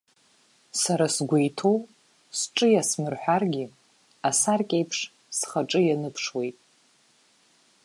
Сара сгәы иҭоу, сҿы иасмырҳәаргьы, асаркьеиԥш схаҿы ианыԥшуеит.